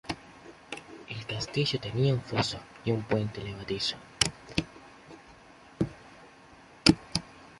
El castillo tenía un foso y un puente levadizo.